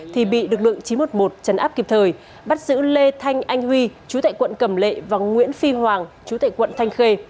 thì bị lực lượng chín trăm một mươi một chấn áp kịp thời bắt giữ lê thanh anh huy chú tại quận cầm lệ và nguyễn phi hoàng chú tại quận thanh khê